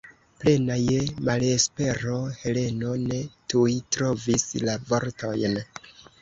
Plena je malespero, Heleno ne tuj trovis la vortojn.